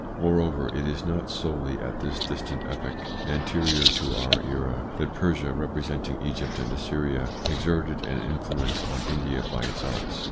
Moreover, it is not solely at this distant epoch, anterior to our era, that Persia, representing Egypt and Assyria, exerted an influence on India by its arts.